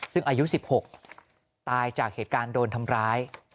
ซึ่งอายุ๑๖ตายจากเหตุการณ์โดนทำร้าย